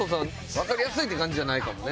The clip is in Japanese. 分かりやすいって感じじゃないかもね。